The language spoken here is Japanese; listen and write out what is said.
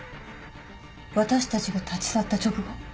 私たちが立ち去った直後。